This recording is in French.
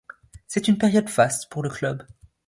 C'est une période faste pour le club.